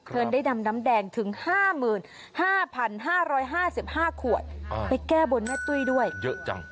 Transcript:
ได้นำน้ำแดงถึง๕๕ขวดไปแก้บนแม่ตุ้ยด้วยเยอะจัง